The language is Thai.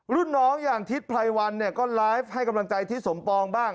รุ่นน้องอย่างทิศไพรวันเนี่ยก็ไลฟ์ให้กำลังใจทิศสมปองบ้าง